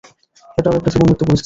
এটাও একটি জীবন-মৃত্যু পরিস্থিতি।